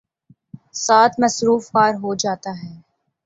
ساتھ ''مصروف کار" ہو جاتا ہے۔